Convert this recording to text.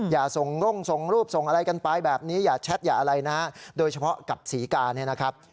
อย่าส่งร่งส่งรูปส่งอะไรกันไปแบบนี้อย่าแชทอย่าอะไรนะโดยเฉพาะกับศรีกาเนี่ยนะครับ